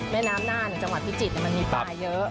แม่น้ำน่านจังหวัดพิจิตรมันมีปลาเยอะ